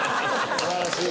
素晴らしい！